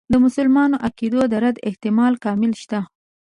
د مسلمو عقایدو د رد احتمال کاملاً شته.